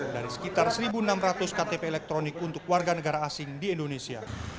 dari sekitar satu enam ratus ktp elektronik untuk warga negara asing di indonesia